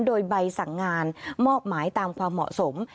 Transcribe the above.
โดยใบสั่งงานมอบหมายตามความเหมาะสม